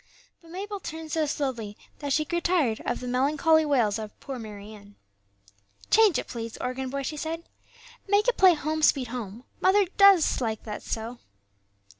But Mabel turned so slowly that she grew tired of the melancholy wails of "Poor Mary Ann." "Change it, please, organ boy," she said; "make it play 'Home, sweet Home;' mother does like that so."